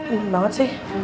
ini banget sih